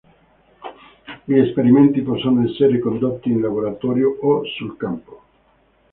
Gli esperimenti possono essere condotti in laboratorio o sul campo.